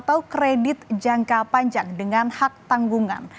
atau kredit jangka panjang dengan hak tanggungan